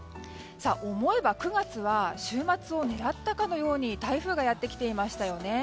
思えば９月は週末を狙ったかのように台風がやってきていましたよね。